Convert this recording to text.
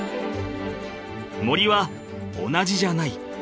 ［森は同じじゃない。